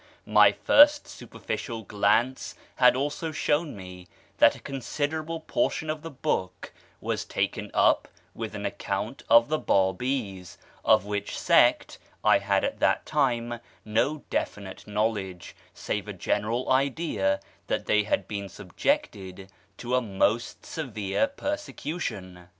My first superficial glance had also shewn me that a considerable portion of the book was taken up with an account of the Bábís, of which sect I had at that time no definite knowledge, save a general idea that they had been subjected to a most severe persecution.